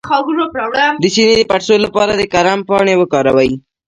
د سینې د پړسوب لپاره د کرم پاڼې وکاروئ